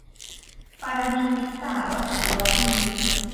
ปรนิมมิตวสวัตดี